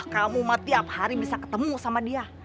kamu tiap hari bisa ketemu sama dia